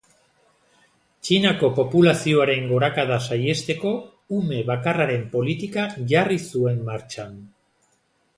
Txinako populazioaren gorakada saihesteko ume bakarraren politika jarri zuen martxan.